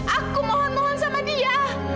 aku mohon mohon sama dia